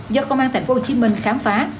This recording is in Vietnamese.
do công an tp hcm khám phá